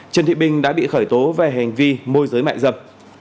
trần thị bình đã bị khởi tố về hành vi mua dưới mại dầm